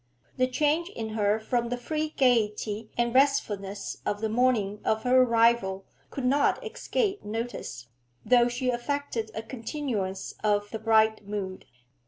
The change in her from the free gaiety and restfulness of the morning of her arrival could not escape notice, though she affected a continuance of the bright mood.